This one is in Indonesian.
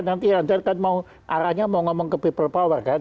nanti radar kan mau arahnya mau ngomong ke people power kan